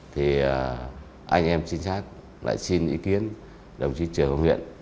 thì anh em chính xác lại xin ý kiến đồng chí trưởng huyện